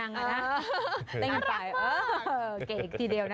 อารมณ์ติ้งนังอะนะ